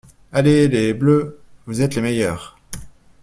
Allez les bleus! Vous êtes les meilleurs !